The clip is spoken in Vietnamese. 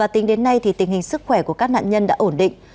tính đến nay tình hình sức khỏe của các nạn nhân đã ổn định